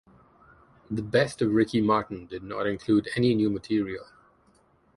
"The Best of Ricky Martin" did not include any new material.